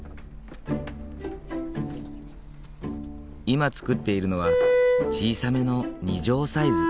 今作っているのは小さめの２畳サイズ。